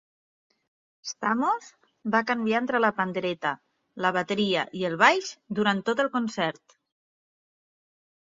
Stamos va canviar entre la pandereta, la bateria i el baix durant tot el concert.